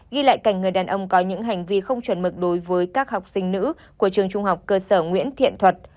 ghi lại cảnh người đàn ông có những hành vi không chuẩn mực đối với các học sinh nữ của trường trung học cơ sở nguyễn thiện thuật